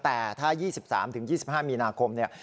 แต่ถ้า๒๓๒๕มีนาคมเนี่ย